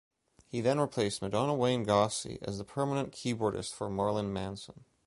He then replaced Madonna Wayne Gacy as the permanent keyboardist for Marilyn Manson.